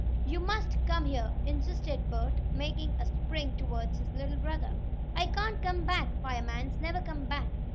"You must come here!" insisted Bert, making a spring toward his little brother. "I can't come back! Firemans never come back!"